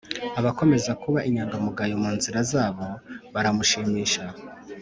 Abakomeza kuba inyangamugayo mu nzira zabo baramushimisha